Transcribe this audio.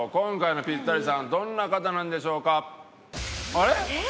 あれ？